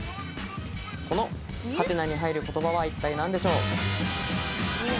この「？」に入る言葉は一体何でしょう？